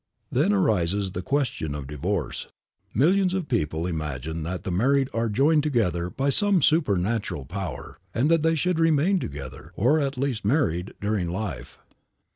Then arises the question of divorce. Millions of people imagine that the married are joined together by some supernatural power, and that they should remain together, or at least married, during life.